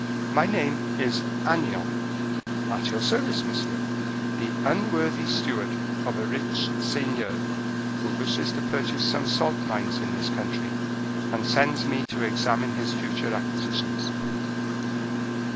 My name is Agnan, at your service, monsieur, the unworthy steward of a rich seigneur, who wishes to purchase some salt mines in this country, and sends me to examine his future acquisitions.